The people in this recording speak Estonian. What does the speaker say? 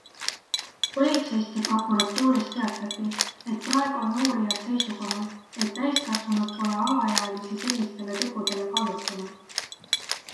Politseist ja prokuratuurist teatati, et praegu on uurijad seisukohal, et täiskasvanud pole alaealisi sellistele tegudele kallutanud.